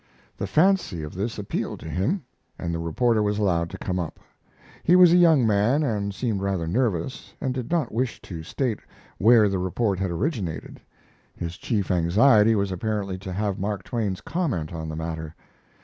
The fancy of this appealed to him, and the reporter was allowed to come up. He was a young man, and seemed rather nervous, and did not wish to state where the report had originated. His chief anxiety was apparently to have Mark Twain's comment on the matter.